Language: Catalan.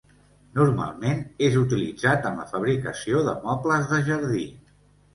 Normalment és utilitzat en la fabricació de mobles de jardí.